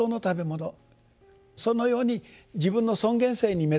そのように自分の尊厳性に目覚めなさい。